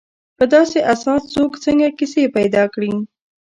په داسې احساس څوک څنګه کیسې پیدا کړي.